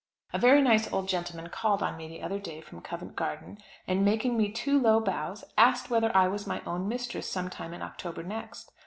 A very nice old gentleman called on me the other day from Covent Garden, and, making me two low bows, asked whether I was my own mistress some time in October next.